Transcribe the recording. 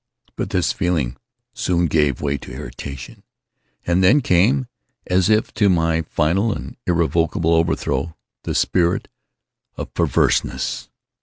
But this feeling soon gave place to irritation. And then came, as if to my final and irrevocable overthrow, the spirit of PERVERSENESS.